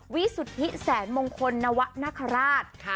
วิสุทธิแสนมงคลนวะนคราช